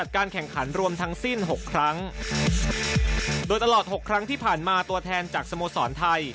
ครั้งที่ผ่านมาตัวแทนจากสโมสรไทย